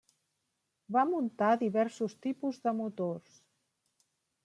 Va muntar diversos tipus de motors.